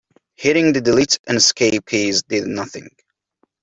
Hitting the delete and escape keys did nothing.